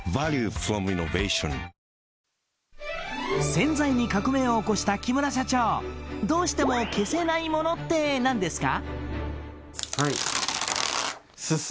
洗剤に革命を起こした木村社長どうしても消せないものって何ですか？